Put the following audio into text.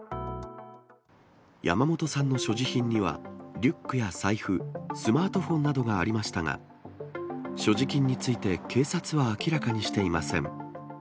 山本さん所持品には、リュックや財布、スマートフォンなどがありましたが、所持金について警察は明らかにしていません。